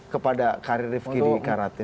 kepada karir rifki di karate